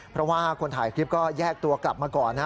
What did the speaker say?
เพราะว่าคนถ่ายคลิปก็แยกตัวกลับมาก่อนนะ